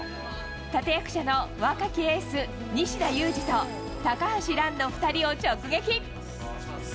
立て役者の若きエース、西田有志と高橋藍の２人を直撃。